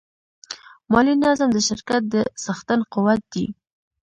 مالي نظم د شرکت د څښتن قوت دی.